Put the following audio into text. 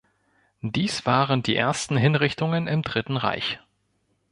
Dies waren die ersten Hinrichtungen im Dritten Reich.